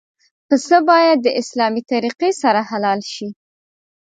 پسه باید د اسلامي طریقې سره حلال شي.